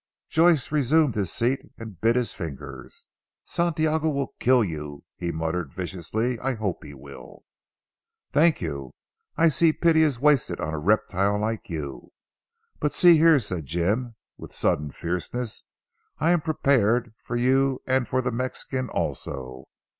Joyce resumed his seat and bit his fingers. "Santiago will kill you," he muttered viciously. "I hope he will!" "Thank you; I see pity is wasted on a reptile like you. But see here," said Jim with sudden fierceness. "I am prepared for you and for the Mexican also.